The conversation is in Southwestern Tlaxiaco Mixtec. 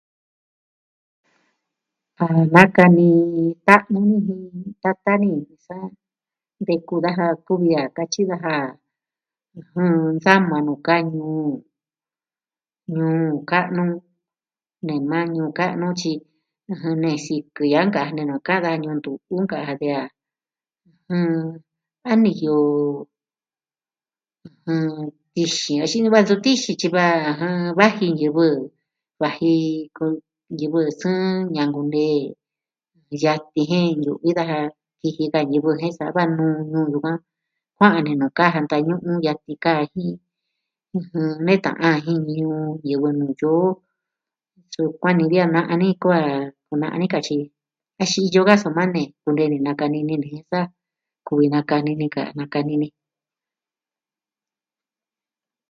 A nakani ta'nu ni jin tata ni sa nteku daja kuvi a katyi daja ɨjɨn... nsama nuu ka ñuun ñuu ka'nu, nee maa ñuu ka'nu tyi... ɨjɨn, ne sikɨ ya'a nkaa ja nenuu ka'an daja Ñuuntu'u nkaa ja de a, jɨn... a niyo... ɨjɨn tixin axin va ntuvi tixin tyi va ɨjɨn... vaji ñivɨ. Vaji ku... ñivɨ sɨɨn ñankunee yatin jen yu'vi daja. kiji ka ñivɨ jen saa va nuu ñuu yukuan. Kua'an nee nuu kaa ja ntañu'u yatin kaa ja jin... ɨjɨn, neta'an jin ñuu ñivɨ Nuyoo sukuan ni vi a na'a ni koo a kuna'an ni ka tyi axin iyo ka soma nee kunee ni nakanini ni jen sa kuvi nakani ni ka a nakani ni.